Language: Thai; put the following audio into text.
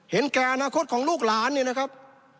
แก่อนาคตของลูกหลานเนี่ยนะครับ